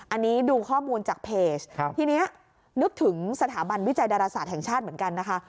อันนี้ดูข้อมูลจากเพจทีนี้นึกถึงสถาบันวิจัยดาราศาสตร์แห่งชาติเหมือนกันนะคะ